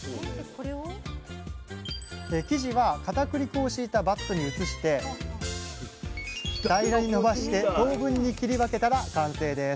生地はかたくり粉を敷いたバットに移して平らにのばして等分に切り分けたら完成です。